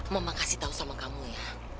mama kasih tahu sama kamu ya